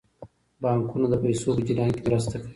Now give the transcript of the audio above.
بانکونه د پیسو په جریان کې مرسته کوي.